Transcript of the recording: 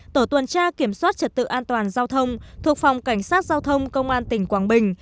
tổ tuần tra kiểm soát trật tự an toàn giao thông thuộc phòng cảnh sát giao thông công an tỉnh quảng bình